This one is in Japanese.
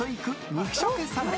肉食さんぽ。